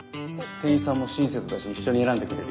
店員さんも親切だし一緒に選んでくれるよ。